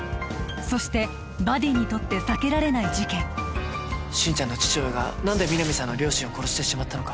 そしてバディにとって避けられない事件心ちゃんの父親が何で皆実さんの両親を殺してしまったのか